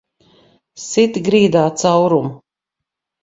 Sit grīdā caurumu!